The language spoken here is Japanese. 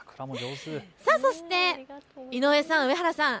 そして、井上さん、上原さん。